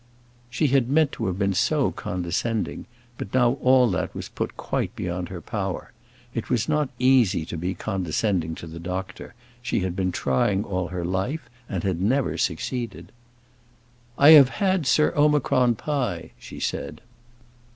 She had meant to have been so condescending; but now all that was put quite beyond her power. It was not easy to be condescending to the doctor: she had been trying all her life, and had never succeeded. "I have had Sir Omicron Pie," she said.